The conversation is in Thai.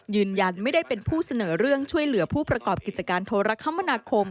ยืนยันไม่ได้เป็นผู้เสนอเรื่องช่วยเหลือผู้ประกอบกิจการโทรคมนาคม